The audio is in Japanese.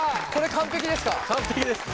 完璧です。